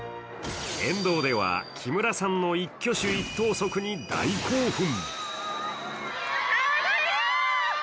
沿道では木村さんの一挙手一投足に大興奮。